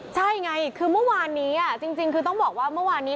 ใช่ไงคือเมื่อวานนี้จริงคือต้องบอกว่าเมื่อวานนี้